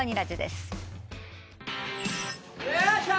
よっしゃ！